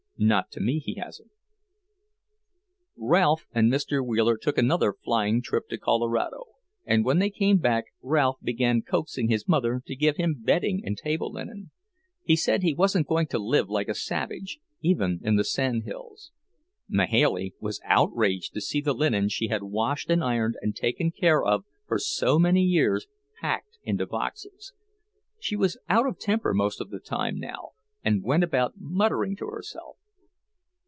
"Not to me, he hasn't." Ralph and Mr. Wheeler took another flying trip to Colorado, and when they came back Ralph began coaxing his mother to give him bedding and table linen. He said he wasn't going to live like a savage, even in the sand hills. Mahailey was outraged to see the linen she had washed and ironed and taken care of for so many years packed into boxes. She was out of temper most of the time now, and went about muttering to herself.